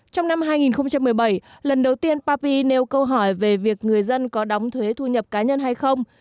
trong năm hai nghìn một mươi bảy lần đầu tiên papi nêu câu hỏi về việc người dân có đóng thuế thu nhập cá nhân hay không